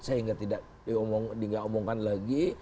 saya ingat tidak diomongkan lagi